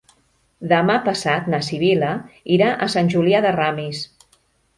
Demà passat na Sibil·la irà a Sant Julià de Ramis.